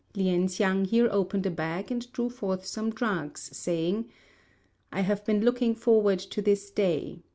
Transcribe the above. Lien hsiang here opened a bag and drew forth some drugs, saying, "I have been looking forward to this day.